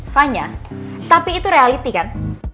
fun ya tapi itu reality kan